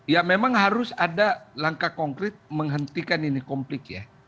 ya memang harus ada langkah konkret menghentikan ini konflik ya